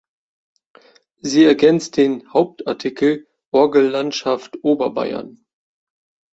Sie ergänzt den "Hauptartikel" Orgellandschaft Oberbayern.